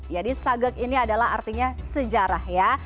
jadi sageg ini adalah artinya sejarah ya